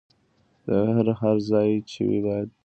ظلم هر ځای چې وي باید مخه یې ونیول شي.